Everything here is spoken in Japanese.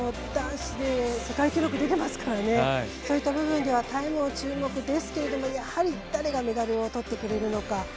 男子で世界記録出てますからそういった部分ではタイムが注目ですけれどもやはり、誰がメダルをとってくれるのか。